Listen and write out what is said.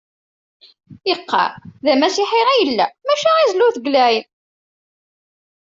Yeqqar d amasiḥi i yella maca izellu deg lɛid